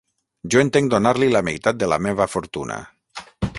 Jo entenc donar-li la meitat de la meva fortuna.